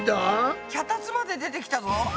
脚立まで出てきたぞ。